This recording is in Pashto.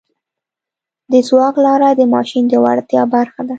د ځواک لاره د ماشین د وړتیا برخه ده.